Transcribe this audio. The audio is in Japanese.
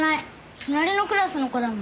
隣のクラスの子だもん。